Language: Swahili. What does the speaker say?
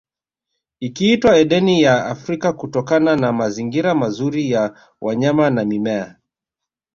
Ikiitwa Edeni ya Afrika kutokana na mazingira mazuri ya wanyama na mimea